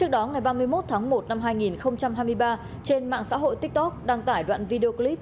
trước đó ngày ba mươi một tháng một năm hai nghìn hai mươi ba trên mạng xã hội tiktok đăng tải đoạn video clip